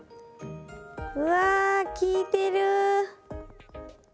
うわ効いてる！